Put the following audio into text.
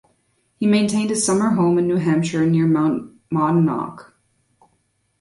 He maintained a summer home in New Hampshire near Mount Monadnock.